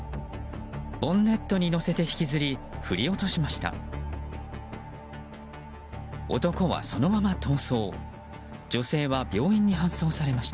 ボンネットに乗せて引きずり振り落としました。